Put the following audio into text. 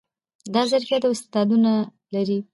دا ظرفيت او استعداد نه لري